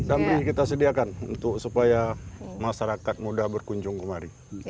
dan beli kita sediakan untuk supaya masyarakat muda berkunjung kemari